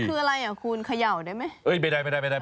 มันคืออะไรคุณขย่าวได้ไหม